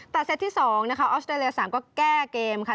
แต่เซตที่๒นะคะออสเตรเลีย๓ก็แก้เกมค่ะ